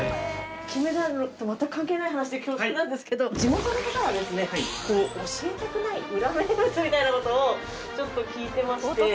金メダルと全く関係ない話で恐縮なんですけど地元の方が教えたくない裏名物みたいなことをちょっと聞いてまして。